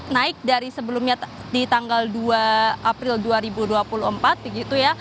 naik dari sebelumnya di tanggal dua april dua ribu dua puluh empat begitu ya